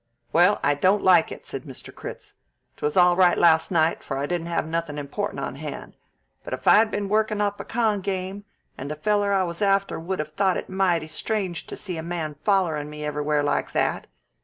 "Well, I don't like it," said Mr. Critz. "'Twas all right last night, for I didn't have nothin' important on hand, but if I'd been workin' up a con' game, the feller I was after would have thought it mighty strange to see a man follerin' me everywhere like that.